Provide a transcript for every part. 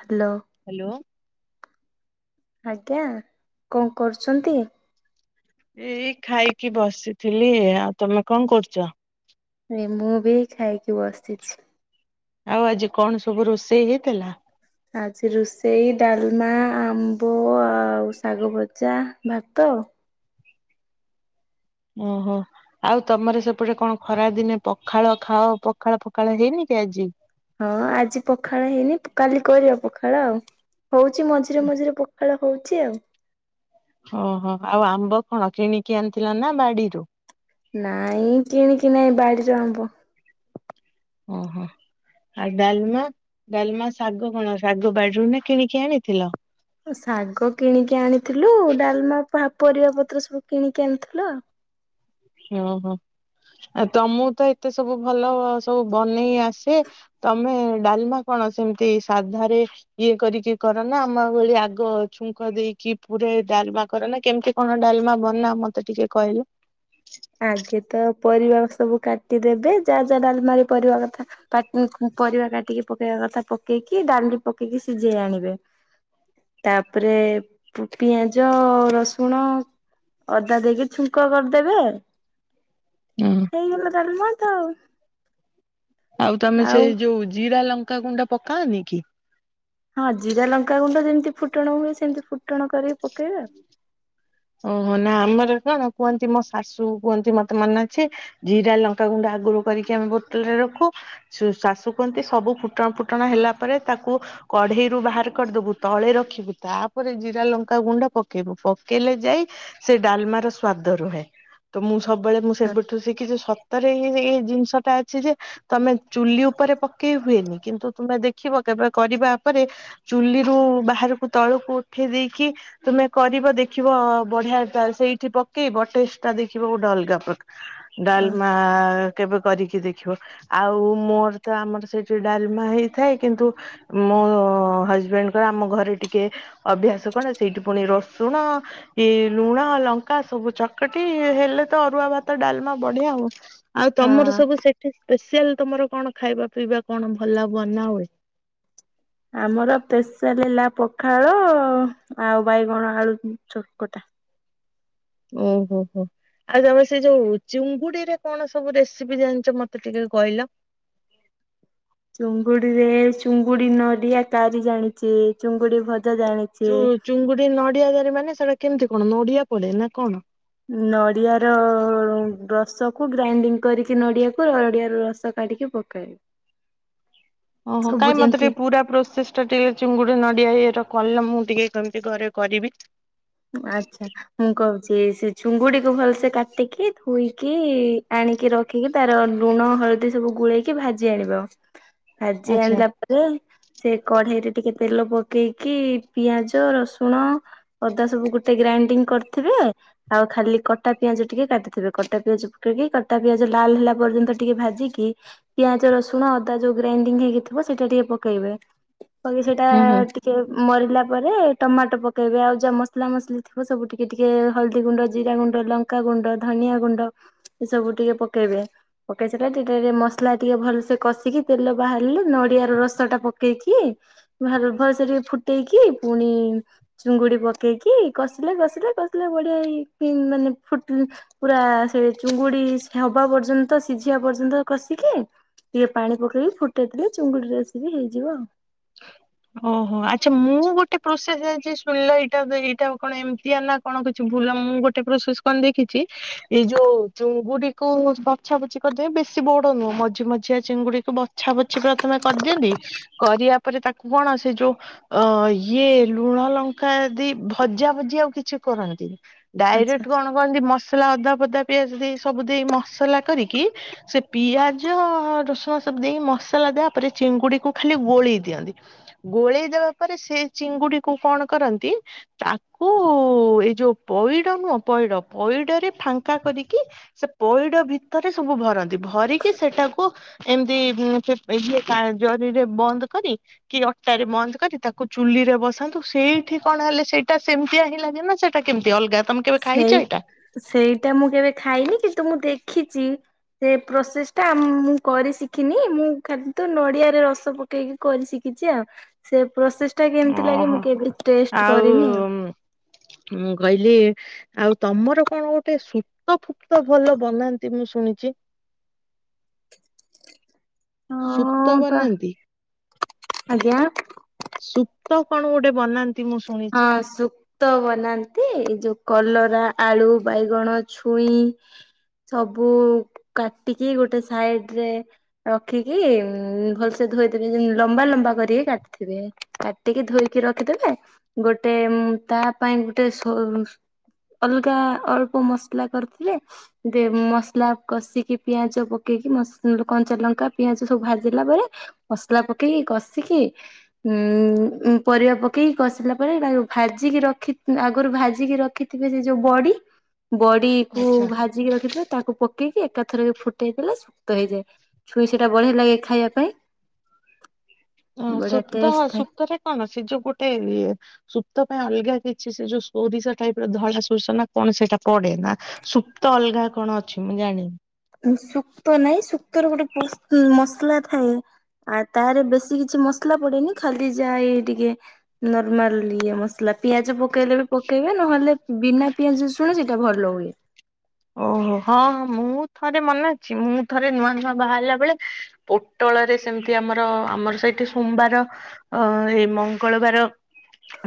Hello. Hello. ଆଜ୍ଞା କଣ କରୁଛନ୍ତି? ଏଇ ଖାଇକି ବସିଥିଲି ଆଉ ତମେ କଣ କରୁଛ? ନାଇ ମୁଁ ବି ଏ ଖାଇକି ବସିଛି। ଆଉ ଆଜି କଣ ସବୁ ରୋଷେଇ ହେଇଥିଲା? ଆଜି ରୋଷେଇ ଡାଲ୍ମା, ଆମ୍ବ ଆଉ ଶାଗ ଭଜା, ଭାତ। ଓ ହୋ। ଆଉ ତମର ସେପଟେ କଣ ଖରା ଦିନେ ପଖାଳ ଖାଅ ପଖାଳ- ପଖାଳ ହେଇନି କି ଆଜି? ହଁ ଆଜି ପଖାଳ ହେଇନି କାଲି କରିବା ପଖାଳ ଆଉ ହଉଚି ମଝିରେ ମଝିରେ ପ ଖାଳ ହଉଚି ଆଉ। ଓହୋ ଆଉ ଆମ୍ବ କଣ କିଣିକି ଆଣିଥିଲ ନା ବାଡିରୁ? ନାଇଁ କିଣିକି ନାଇଁ ବାଡିର ଆମ୍ବ। ଓହୋ। ଆଉ ଡାଲ୍ମା -ଡାଲ୍ମା ଶାଗ କଣ ଶାଗ ବାଡିରୁ ନା କିଣିକି ଆଣିଥିଲ? ଶାଗ କିଣିକି ଆଣିଥିଲୁ ଡାଲ୍ମା ପା-ପରିବା ପତ୍ର ସବୁ କିଣିକି ଆଣିଥିଲୁ ଆଉ। ଓହୋ ଆଉ ତମକୁ ତ ଏତେ ସବୁ ଭଲ ସବୁ ବନେଇ ଆସେ ତମେ ଡାଲ୍ମା କଣ ସେମିତି ସାଧାରେ ଇଏ କରିକି କରନା ଆମ ଭଳି ଆଗ ଛୁଙ୍କ ଦେଇକି ପୁରା ଡାଲ୍ମା କରନା କେମିତି କଣ ଡାଲ୍ମା ବନା ମତେ ଟିକେ କହିଲ? ହ ଆଗେ ତ ପରିବା ସବୁ କାଟିଦେବେ ଯାହା ଯାହା ଡାଲ୍ମା ରେ ପଡିବା କଥା। କାଟ୍-ପରିବା କାଟିକି ପକେଇବା କଥା ପକେଇକି ଡାଲି ପକେଇକି ସିଜେଇ ଆଣିବେ। ତାପରେ ପୁ- ପିଆଜ, ରସୁଣ ଅଦା ଦେଇକି ଛୁଙ୍କ କରିଦେବେ [unintelligible] ହେଇଗଲା ଡାଲ୍ମା ତ ଆଉ। ଆଉ ତମେ ସେଇ ଯଉ ଜିରା ଲଙ୍କାଗୁଣ୍ଡ ପକାଅନି କି? ହଁ ଜିରା ଲଙ୍କାଗୁଣ୍ଡ ଯେମିତି ଫୁଟଣ ହୁଏ ସେମିତି ଫୁଟଣ କରିକି ପକେଇବେ ଆଉ‌। ଓହୋ ନା ଆମର କଣ କୁହନ୍ତି ମୋ ଶାଶୁ କୁହନ୍ତି ମତେ ମନେ ଅଛି‌। ଜିରା ଲଙ୍କାଗୁଣ୍ଡ ଆଗୁରୁ କରିକି ଆମେ ବୋତଲ ରେ ରଖୁ। ଶୁ-ଶାଶୁ କୁହନ୍ତି ସବୁ ଫୁଟଣ ଫୁଟଣ ହେଲା ପରେ ତାକୁ କଢେଇରୁୁ ବାହାର କରିଦବୁ ତଳେ ରଖିବୁ ତାପରେ ଜିରା ଲଙ୍କ୍ କା ଗୁଣ୍ଡ ପକେଇବୁ ପକେଇଲେ ଯାଇ ସେ ଡାଲ୍ମାର ସ୍ଵାଦ ରୁହେ। ତ ମୁଁ ସବୁବେଳେ ମୁଁ ସେବଠୁ ଶିଖିଚି ସତରେ ଏଇ -ଏଇ ଜିନିଷଟା ଅଛି ଯେ ତମେ ଚୁଲି ଉପରେ ପକେଇ ହୁଏନି କିନ୍ତୁ ତୁମେ ଦେଖିବ କେବେ କରିବା ପରେ ଚୁଲିରୁ ବାହାରକୁ ତଳକୁ ଉଠେଇ ଦେଇକି ତୁମେ କରିବ ଦେଖିବ ବଢିଆ ତା ସେଇଠି ପକେଇବ ଟେଷ୍ଟ ଟା ଦେଖିବ ଗୋଟେ ଅଲଗା ପ୍ର ଆଉ। ଡାଲ୍ମା। କେବେ କରିକି ଦେଖିବ ଆଉ ମୋର ତ ଆମର ସେଇଠି ଡାଲମା ହେଇଥାଏ କିନ୍ତୁ ମୋ ହଜବେଣ୍ଟ୍ ଙ୍କର ଆମ ଘରେ ଟିକେ ଅଭ୍ୟାସ୍ [unintelligible] ସେଇଠି ପୁଣି ରସୁଣ ଏଇ ଲୁଣ ଲଙ୍କା ସବୁ ଚକଟି ହେଲେ ତ ଅରୁଆ ଭାତ ଡାଲ୍ମା ବଢିଆ ଆଉ। ଆଉ ହଁ ତମର ସବୁ ସେଠି ସ୍ପେଶିଆଲ୍ ତମର କଣ ଖାଇବା ପିଇବା କଣ ଭଲ ବନା ହଏ? ଆମର ସ୍ପେଆଲେ ହେଲା ପଖାଳ ଆଉ ବାଇଗଣ ଆଳୁ ଚକଟା। ଓ- ହୋ -ହୋ। ଆଉ ତମେ ସେ ଯଉ ଚିଙ୍ଗୁଡି ରେ କଣ ସବୁ ରେସିପି ଜାଣିଚ ମତେ ଟିକେ କହିଲ? ଚୁଙ୍ଗୁଡିରେ ଚୁଙ୍ଗୁଡି ନଡିଆ କାରି ଜାଣିଚି ଚୁଙ୍ଗୁଡି ଭଜା ଜାଣି ଯଉ ଚୁଙ୍ଗୁଡି ନଡିଆ କରି ମାନେ ସେଟା କେମିତି କଣ ନଡିଆ ପଡେ ନା କଣ? ନଡିଆ ର ରସ କୁ ଗ୍ରାଇଣ୍ଡିଙ୍ଗ୍ କରିକି ନଡିଆକୁ ନଡିଆ ର ରସ କାଢିକି ପକାଏ। ଓ ହୋ, ସବୁ କାଇଁ ମତେ ଟିକେ ଯେମିତି ପୁରା ପ୍ରୋସେସ୍ ଟିକେ ଚିଙ୍ଗୁଡ଼ି ନଡିଆ ଇଏର କହିଲ, ମୁଁ ଟିକେ କେମିତି ଘରେ କରିବି? ଆଛା। ମୁଁ କହୁଚି, ସେ ଝୁଙ୍ଗୁଡିକୁ ଭଲସେ କାଟିକି, ଧୋଇକି ଆଣିକି ରଖି ଆଖିକି ତାର ଲୁଣ ହଳଦୀ ସବୁ ଗୋଳେଇକି ଭାଜି ଆଣିବ। [unintelligible] ଆଜି ଆଚ୍ଛା ଆଣିଲା ପ ସେ କଢେଇରେ ଟିକେ ତେଲ ପକେଇକି, ପିଆଜ, ରସୁଣ ଅଦା ସବୁ ଗୋଟେ ଗ୍ରାଇଣ୍ଡିଙ୍ଗ କରିଥିବେ ଆଉ ଖାଲି କଟା ପିଆଜ ଟିକେ କାଟିଥିବେ, କଟା ପିଆଜ ପକେଇକି, କଟା ପିଆଜ ଲାଲ ହେଲା ପର୍ଯ୍ୟନ୍ତ ଟିକେ ଭାଜିକି ପିଆଜ ରସୁଣ ଅଦା ଯୋଉ ଗ୍ରାଇଣ୍ଡିଙ୍ଗ ହେଇକି ଥିବ, ସେଇଟା ଟିକେ ପକେଇବେ ବାକି ସେଇଟା ହୁଁ ହୁଁ। ଟିକେ ମରିଲା ପରେ, ଟମାଟୋ ପକେଇବେ, ଆଉ ଯଉ ମସଲା ମସଲି ଥିବ, ସବୁ ଟିକେ ଟିକେ ହଳଦୀ ଗୁଣ୍ଡ, ଜିରା ଗୁଣ୍ଡ, ଲଙ୍କାଗୁଣ୍ଡ, ଧନିଆଁ ଗୁଣ୍ଡ ଏ ସବୁ ଟିକେ ପକେଇବେ ପକେଇ ସାରିଲା, ଟିକେ ଟିକେ ମସଲା ଟିକେ ଭଲସେ କଷିକି, ତେଲ ବାହାରିଲେ, ନଡିଆ ର ରସ ଟା ପକେଇକି ଭ ଭଲସ ଟିକେ ଫୁଟେଇକି, ପୁଣି ଚିଙ୍ଗୁଡି ପ କି, କଷିଲେ କଷିଲେ କଷିଲେ, ବଢିଆ ହେଇ ମାନେ ଫୁଟ ପୁରା ସେ ଚୁଙ୍ଗୁଡି ହବା ପର୍ଯ୍ୟନ୍ତ, ସିଝିବା ପର୍ଯ୍ୟନ୍ତ କଷିକି ଟିକେ ପାଣି ପକେଇକି ଫୁଟେଇଲେ, ଚୁଙ୍ଗୁଡି ରେସିପି ହେଇଯିବ ଆଉ। ଓହୋ, ଆଛା ମୁଁ ଗୋଟେ ପ୍ରୋସେସ୍ ଜାଇଚି ଶୁଣିଲ ଏଇଟା, ଏଇଟା କଣ ଏମିତିଆ ନା କଣ କିଛି ଭୁଲ୍, ମୁଁ ଗୋଟେ ପ୍ରସେସ୍ କଣ ଦେଖିଚି, ଏଇ ଯୋଉ ଚୁଙ୍ଗୁଡିକୁ ବଛା ବଛି କରିଦ ବେଶୀ ବଡ ନୁହଁ, ମଝି ମଝିଆ ଚିଙ୍ଗୁଡିକୁ ବଛା ବଛିି ପ୍ରଥମେ କରିଦିଅନ୍ତି, କରିବା ତାପରେ ତାକୁ କଣ? ସେ ଯଉ ଅ ଇଏ ଲୁଣ ଲଙ୍କା ଦି ଭଜା ଭଜି ଆଉ କିଛି କରନ୍ତିନି? ଆଚ୍ଛା। ଡାଇରେକ୍ଟ କଣ କହନ୍ତି, ମସଲା ଅଦା ପଦା ପିଆଜ ଦେଇ ସବୁ ଦେଇ ମସଲା କରିକି ସେ ପିଆଜ ରସୁଣ ସବୁ ଦେଇ ମସଲା ଦେବା ପରେ ଚିଙ୍ଗୁଡିକୁ ଖାଲି ଗୋଳେଇ ଦିଅନ୍ତି, ଗୋଳେଇ ଦେବା ପରେ ସେ ଚିଙ୍ଗୁଡିକୁ କଣ କରନ୍ତି ତାକୁ ଏଇ ଯୋଉ ପଇଡ ନୁହଁ, ପଇଡ, ପଇଡରେ ଫାଙ୍କା କରିକି ସେ ପଇଡ ଭିତରେ ସବୁ ଭରନ୍ତି, ଭରିକି ସେଟାକୁ ଏମିତି ସେଇ ଇଏ ଜରିରେ ବନ୍ଦ କରି କି ଅଟାରେ ବନ୍ଦ କରି, ତାକୁ ଚୁଲି ରେ ବସାନ୍ତୁ, ସେଇଠି କଣ ହେଲେ ସେଇଟା ସେମିତିଆ ହିଁ ଲାଗେ ନା ସେ ତା କେମିତି ଅଲଗା, ତମେ କେବେ ଖାଇଛ ସେଇ, ଏଇଟା? ସେଇଟା ମୁଁ କେବେ ଖାଇନି କିନ୍ତୁ ମୁଁ ଦେଖିଚି। ସେ ପ୍ରୋସେସ ଟା ମୁଁ କରି ଶିଖିନି, ମୁଁ ଖାଦୁ ନଡିଆରେ ରସ ପ କେକି କରି ଶିଖିଛି ଆଉ, ସେ ପ୍ରୋସେସ୍ ଟା କେମିତି ଲାଗେ ଓହୋ। ମୁଁ କେବେ ଟେଷ୍ଟ୍ ଆଉ କରିନି। ମୁଁ କହିଲି ଆଉ ତମର କଣ ଗୋଟେ ସୁତ ଫୁପ୍ତ ଭଲ ବନାନ୍ତି ମୁଁ ଶୁଣିଚି? ସୁପ୍ତ ହଁ ତ ବନାନ୍ତି? ଆଜ୍ଞା ସୁପ୍ତ କଣ ଗୋଟେ ବନାନ୍ ହଁ ସୁକ୍ ତ ବନାନ୍ତି, ଏଇ ଯୋଉ କଲରା, ଆଳୁ, ବାଇଗଣ, ଛୁଇଁ ସବୁ କାଟିକି ଗୋଟେ ସାଇଡ୍ ରେ ରଖିକି ଭଲସେ ଧୋଇଦେବେ, ଲମ୍ବା ଲମ୍ବା କରିକି କାଟିଥିବେ। କାଟିକି ଧୋଇକି ରଖିଦେବେ, ଗୋଟେ ତା ପାଇଁ ଗୋଟେ ସୋ ଅଲଗା ଅଳ୍ପ ମସଲା କରିଥିବେ ମସଲା କଷିକି ପିଆଜ ପକେଇକି କଞ୍ଚାଲଙ୍କା ପିଆଜ ସବୁ ଭାଜିଲା ପରେ ପସଲା ପକେଇକି କଷିକି ଉ ପରିବା ପକେଇକି କଷିଲା ଭାଜିକି ରଖି ଆଗରୁ ଭାଜିକି ରଖିଥିବେ ସେ ଯୋଉ ବଡି ବଡି କୁ ଆଚ୍ଛା। ଭାଜିକି ରଖିଥିଲେ ତାକୁ ପକେଇକି ଏକାଥର ଫୁଟେଇ ଦେଲେ ସୁକ୍ତ ହେଇଯାଏ ଛୁଇ ସେଇଟା ବଢ଼ିଆ ଲାଗେ ଖାଇବା ପାଇଁ ହ ବଢିଆ ସୁପ୍ତ ଟେଷ୍ଟ ଥାଏ। ସୁପତ ରେ କଣ ସେ ଯୋଉ ଗୋଟେ ଇଏ ସୁପ୍ତ ପାଇଁ ଅଲଗା କିଛି ସେ ଯୋଉ ସୋରିଷ ଟାଇପ ର ଧଳା ସୋରିଷ ନା କଣ ସେଇଟା ପଡେ ନା ସୁପ୍ତ ଅଲଗା କଣ ଅଛି ମୁଁ ଜାଣିନି। ସୁକ୍ତ ନାଇଁ ସୁକ୍ତ ର ଗୋଟେ ମସଲା ଥାଏ ଆଉ ତାହାରେ ବେଶୀ କିଛି ମସଲା ପଡେନି ଖାଲି ଯାହା ଇଏ ଟିକେ ନର୍ମଲ ମସଲା ପିଆଜ ପକେଇଲେ ବି ପକେଇବେ ନହେଲେ ବିନା ପିଆଜ ଶୁଣୁ ସେଇଟା ଭଲ ହୁଏ ଓହୋ ହଁ ହଁ ମୁଁ ଥରେ ମନାେ ଅଛି ମୁଁ ଥରେ ନୂଆ ନୂଆ ବାହାରିଲା ବେଳେ ପୋଟଳରେ ସେମିତି ଆମର ଆମର ସେଇଠି ସୋମବାର ଅ ଏଇ ମଙ୍ଗଳବାର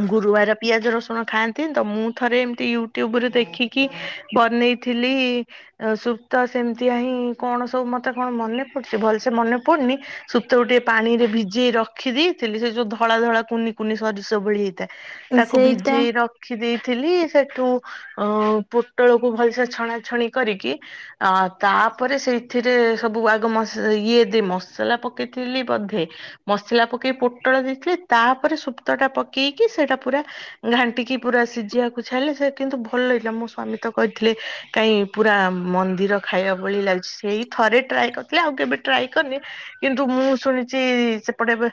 ଗୁରୁବାର ପିଆଜ ରସୁଣ ଖାଆନ୍ତି ତ ମୁଁ ଥରେ ଏମତି ୟୁଟ୍ୟୁବ ରେ ଦେଖିକି ବନେଇ ଥିଲି ସୁପ୍ତା ସେମିତିଆ ହିଁ କଣ ସବୁ ମତେ କଣ ମନେ ପଡୁଛି ଭଲସେ ମନେ ପଡୁନି ଶୁପ୍ତ କୁ ଟିକେ ପାଣି ରେ ଭିଜେଇ ରଖି ଦେଇେଇଥିଲି ସେ ଯୋଉ ଧଳା ଧଳା କୁନି କୁନି ସୋରିଷ ଭଳି ହେଇଥାଏ ତାକୁ ସେଇଟା ଭିଜେଇ ରଖି ଦେଇେଇଥିଲି ସେଠୁ ଅ ପୋଟଳକୁ ଭଲସେ ଛଣାଛଣି କରିକି ଅ ତାପରେ ସେଇଥିରେ ସବୁ ଆଗ ମ ଇଏ ଦେ ମସଲା ପକେଇଥିଲି ବଧେ ମସଲା ପକେଇକ ପୋଟଳ ଦେଇଥିଲେ ତାପରେ ସୁପ୍ତ ଟା ପକେଇକି ସେଇଟା ପୁରା ଘାଣ୍ଟିକି ପୁରା ସିଝିବାକୁ ଛାଇଁଲେ ସେ କିନ୍ତୁ ଭଲ ଲାଗିଲା ମୋ ସ୍ଵାମୀ ତ କହିଥିଲେ କାଇହିଁ ପୁରା ମନ୍ଦିର ଖାଇବା ଭଳି ଲାଗୁଛି ସେଇ ଥରେ ଟ୍ରାଏ କରିଥିଲେ ଆଉ କେବେ ଟ୍ରାଏ କରିନି କିନ୍ତୁ ମୁଁ ଶୁଣିଛି ସେପଟେ ଏବେ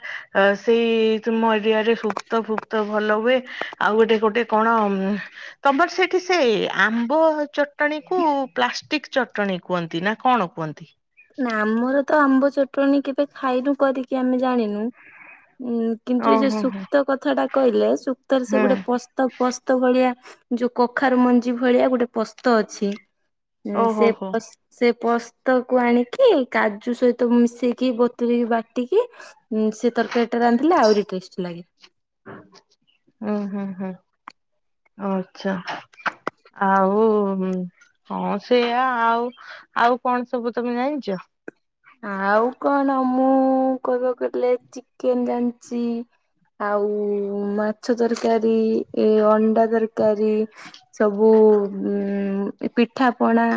ସେଇ ତୁମ ଏରିଆରେ ଫୁପ୍ତ ଫୁପ୍ତ ଭଲ ହୁଏ ଆଉ ଗୋଟେ ଗୋଟେ କଣ? ତମର ସେଇଠି ସେ ଆମ୍ବ ଚ ଚଟଣୀ କୁ ପ୍ଲାଷ୍ଟିକ ଚଟଣି କୁହନ୍ତି ନା କଣ କୁହନ୍ତି? ନା ଆମର ତ ଆମ୍ବ ଚଟଣୀ କେବେ ଖାଇନୁ କରିକି ଆମେ ଜାଣିନୁ ଉ କିନ୍ତୁ ଏ ଯୋଉ ଓହୋ ହୋ ସୁକ୍ତ କଥା ଟା କହିଲେ ସୁକ୍ତରେ ସେ ହଁ। ଗୋଟେ ପସ୍ତ ପସ୍ତ ଭଳିଆ ଯୋଉ କଖାରୁ ମଞ୍ଜି ଭଳିଆ ଗୋଟେ ପସ୍ତ ଅଛି ଓହୋ ହୋ ସେ ସେ ପସ୍ତକୁ ଆଣିକି କାଜୁ ସହିତ ମିଶେଇକି ବତୁରେଇକି ବାଟିକି ଉଁ ସେ ତରକାରୀ ଟା ରାନ୍ଧିଲ ଆହୁରି ଟେଷ୍ଟ ଲାଗେ। ହୁଁ ହୁଁ ହୁଁ ଆଚ୍ଛା। ଆଉ କଣ ସେଇଆା ଆଉ ଆଉ କଣ ସବୁ ତମେ ଜାଣିଛ? ଆଉ କଣ ମୁଁ କହିବାକୁ ଗଲେ ଚିକେନ ଜାଣିଛି ଆଉ ମାଛ ତରକାରୀ ଏ ଅଣ୍ଡା ତରକାର ତରକାରୀ ସବୁ ଉ ପିଠା ପଣା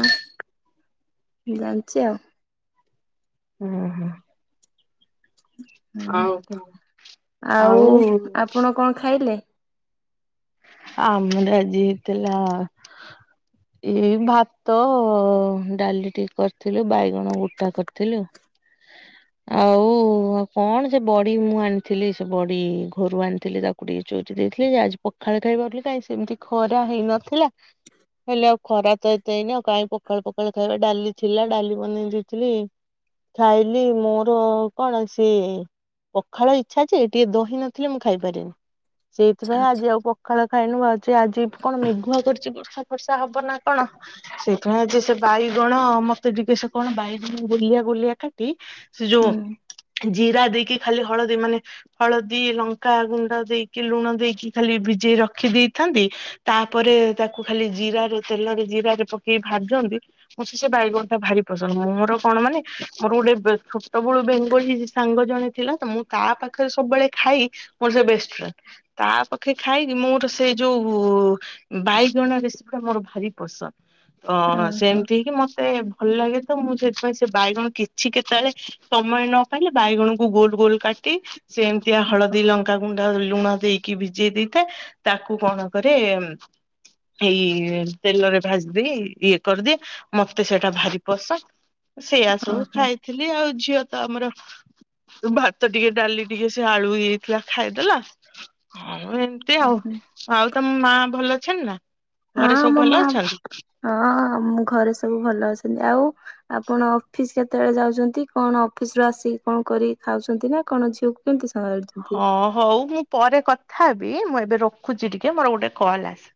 ଜାଣିଛି ଆଉ ହୁଁ ହୁଁ। ହୁଁ ଆଉ କଣ ଆଉ ଆପଣ କଣ ଖାଇଲେ? ଆମର ଆଜି ହେଇ ଥିଲା ଏଇ ଭାତ ଡାଲି ଟିକେ କରିଥିଲୁ ବାଇଗଣ ଗୁଟା କରିଥିଲୁ ଆଉ ଆଉ କଣ ସେ ବଡି ମୁଁ ଆଣିଥିଲି ସେ ବଡି ଘରୁ ଆଣିଥିଲି ତା ବଡ଼ି ଚୁରି ଦେଇଥିଲେ ଯେ ଆଜି ପଖାଳ ଖାଇ ବହାରୁଥିଲି କାହିଁକି ସେମିତି ଖରା ହେଇନଥିଲା। ହେଲେ ଆଉ ଖରା ତ ଏତେ ହେଇନି ଆଉ କାହିଁ ପଖାଳ ପଖାଳ ଖାଇବେ ଡାଲି ଥିଲା ଡାଲି ବନେଇ ଦେଇଥିଲି। ଖାଇଲି ମୋର କଣ ସିଏ? ପଖାଳ ଇଚ୍ଛା ଅଛି ଟିକେ ଦହି ନଥିଲେ ମୁଁ ଖାଇପାରେନି ସେଇଥିପାଇଁ ଆଜି ଆଉ ପ ସକାଳ ଖାଇନୁ ଆଜି ଆଜି କଣ ମେଘୁଆ କରିଛି ବର୍ଷା ଫର୍ଷା ହବ ନା କଣ? ସେଇଥିପାଇଁ ଆଜି ସେ ବାଇଗଣ ମତେ ଟିକେ ସେ କଣ ବାଇଗଣ ଗୋଲିଆ ଗୋଲିଆ କାଟି ସେ ଯୋଉ ହୁଁ ଜିରା ଦେଇକି ଖାଲି ହଳଦୀ ମାନେ ହଳଦୀ ଲଙ୍କାଗୁଣ୍ଡ ଦେଇକି ଲୁଣ ଦେଇକି ଖାଲି ଭିଜେଇ ରଖି ଦେଇଥାନ୍ତି। ତାପରେ ତାକୁ ଖାଲି ଜିରାରେ ତେଲରେ ଜିରାରେ ପକେଇ ଭାଜନ୍ତି। ମୁଁ ସେ ବାଇଗଣଟା ଭାରି ପସନ୍ଦ ମୋର କଣ ମାନେ ମୋର ଗୋଟେ ବେ ଛୋଟବେଳୁ ବେଙ୍ଗଳୀ ସାଙ୍ଗ ଜଣେ ଥିଲା ତ ମୁଁ ତା ପାଖରେ ସବୁବେଳେ ଖାଇ ମୋର ସେ ବେଷ୍ଟ ଫ୍ରେଣ୍ଡ ତା ପାଖେ ଖାଇକି ମୋର ସେଇ ଯୋଉ ଭାଇ ଜଣା ରେସିପି ଟା ମୋର ଭାରି ପସନ୍ଦ ତ ଓହୋ ସେମିତି ହେଇକିି ମତେ ଭଲ ଲାଗେ ତ ମୁଁ ସେଥିପାଇଁ ସେ ବାଇଗଣ କିଛି କେତେବେଳେ ସମୟ ନ ପାଇଲେ ବାଇଗଣକୁ ଗୋଲ ଗୋଲ କାଟି ସେମ୍ ଏମିତିଆ ହଳଦୀ ଲଙ୍କାଗୁଣ୍ଡ ଲୁଣ ଦେଇକି ଭିଜେଇ ଦେଇଥାଏ ତାକୁ କଣ କରେ ଏଇ ତେଲରେ ଭାଜି ଦେଇ ଇଏ କରିଦିଏ। ମତେ ସେଇଟା ଭାରି ପସନ୍ଦ ସେଇଆ ସବୁ ଓହୋ। ଖାଇଥିଲି ଆଉ ଝିଅ ତ ଆମର ଭାତ ଟିକେ ଡାଲି ଟିକେ ସେ ଆଳୁ ଇଏ ହେଇଥିଲା ଖାଇଦେଲା। ଏମିିତି ଆଉ ହଁ ଆଉ ତମ ମା ଭଲ ଅଛନ୍ତି ନା ଘରେ ଆମ ସବୁ ଭଲ ମା ଅଛନ୍ତି? ହଁ ମୁ ଘରେ ସବୁ ଭଲ ଅଛନ୍ତି। ଆଉ ଆପଣ ଅଫିସ କେତେବେଳେ ଯାଉଛନ୍ତି କଣ ଅଫିସ ରୁ ଆସିିକି କଣ କରି ଖାଉଛନ୍ତି ନା କଣ ଝିଅକୁ କେମିତି ସାଙ୍ଗ [unintelligible] ହଁ ହଉ ମୁଁ ପରେ କଥା ହେବି ମୁଁ ଏବେ ରଖୁଛି ଟିକେ ମୋର ଗୋଟେ କଲ୍ ଆସି